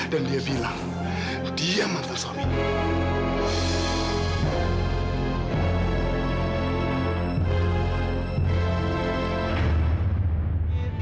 dan dia bilang dia mantan suaminya